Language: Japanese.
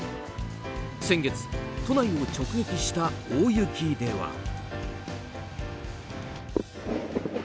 先月、都内を直撃した大雪では。